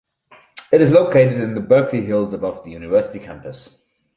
It is located in the Berkeley Hills above the university campus.